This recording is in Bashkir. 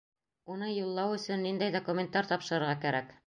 Уны юллау өсөн ниндәй документтар тапшырырға кәрәк?